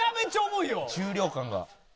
重量感が。